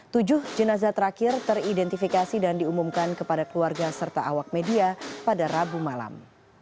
tujuh jenazah terakhir teridentifikasi dan diumumkan kepada keluarga serta awak media pada rabu malam